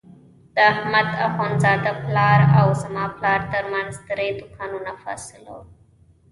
د احمد اخوندزاده پلار او زما پلار ترمنځ درې دوکانه فاصله وه.